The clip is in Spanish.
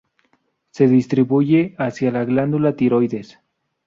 Se distribuye hacia la glándula tiroides.